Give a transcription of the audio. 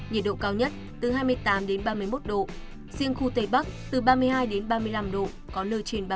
nhiệt độ cao nhất từ hai mươi tám đến ba mươi một độ riêng khu tây bắc từ ba mươi hai đến ba mươi năm độ có nơi trên ba mươi độ